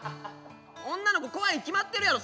女の子怖いに決まってるやろ！